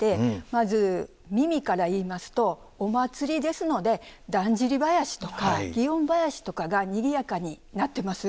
まず耳から言いますとお祭りですのでだんじり囃子とか園囃子とかがにぎやかに鳴ってます。